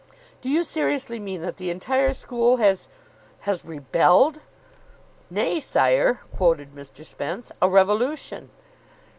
"Do you seriously mean that the entire school has has rebelled?" "'Nay, sire,'" quoted Mr. Spence, "'a revolution!